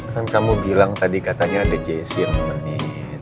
kan kamu bilang tadi katanya ada jessy yang menemani